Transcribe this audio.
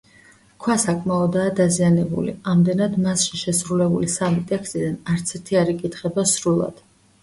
ქვა საკმაოდაა დაზიანებული, ამდენად მასზე შესრულებული სამი ტექსტიდან არცერთი არ იკითხება სრულად.